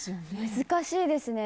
難しいですね。